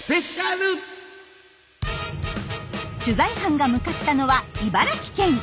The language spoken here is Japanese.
取材班が向かったのは茨城県。